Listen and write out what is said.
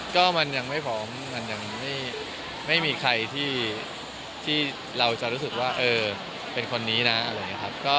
ก็มันยังไม่พร้อมมันยังไม่มีใครที่เราจะรู้สึกว่าเออเป็นคนนี้นะ